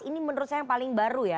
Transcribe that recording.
ini menurut saya yang paling baru ya